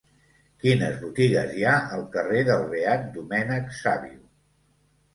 Quines botigues hi ha al carrer del Beat Domènec Savio?